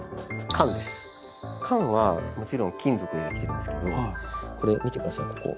缶はもちろん金属でできてるんですけどこれ見て下さいここ。